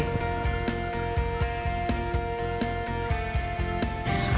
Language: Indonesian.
saktion risa dan risa